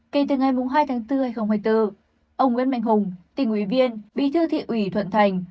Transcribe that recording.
kể từ ngày hai tháng bốn hai nghìn hai mươi bốn ông nguyễn mạnh hùng tỉnh ủy viên bí thư thị ủy thuận thành